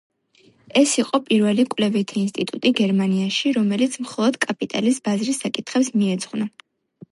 ეს იყო პირველი კვლევითი ინსტიტუტი გერმანიაში, რომელიც მხოლოდ კაპიტალის ბაზრის საკითხებს მიეძღვნა.